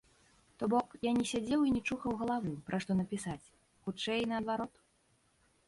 То бок, я не сядзеў і не чухаў галаву, пра што напісаць, хутчэй, наадварот.